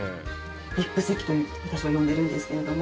ＶＩＰ席と私は呼んでるんですけれども。